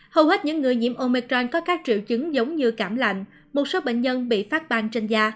hầu hết những người nhiễm omicron có các triệu chứng giống như cảm lành một số bệnh nhân bị phát ban trên da